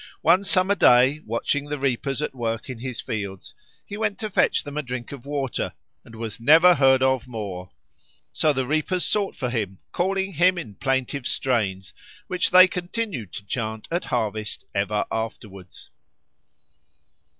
One summer day, watching the reapers at work in his fields, he went to fetch them a drink of water and was never heard of more. So the reapers sought for him, calling him in plaintive strains, which they continued to chant at harvest ever afterwards.